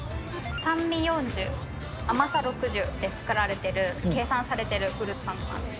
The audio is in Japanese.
酸味４０、甘さ６０で作られてる、計算されてるフルーツサンドなんです。